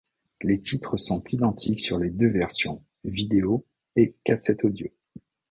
Les titres sont identiques sur les deux versions, vidéo et cassette audio.